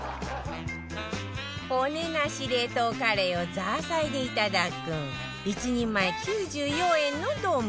骨なし冷凍カレイをザーサイでいただく１人前９４円の丼